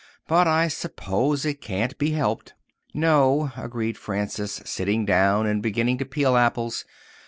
But I suppose it can't be helped." "No," agreed Frances, sitting down and beginning to peel apples.